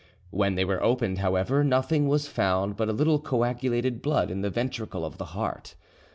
When they were opened, however, nothing was found but a little coagulated blood in the ventricle of the heart.